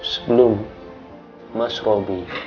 sebelum mas robby